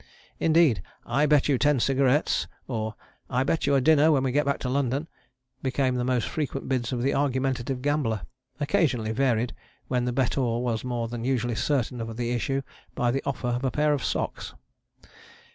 Indeed, "I bet you ten cigarettes," or "I bet you a dinner when we get back to London," became the most frequent bids of the argumentative gambler, occasionally varied when the bettor was more than usually certain of the issue by the offer of a pair of socks.